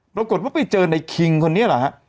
ปรากฏว่าไปเจอในคิงคนนี้เหรอฮะ